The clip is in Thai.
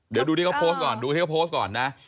เดี๋ยวดูที่เขาโพสต์ก่อนน่ะ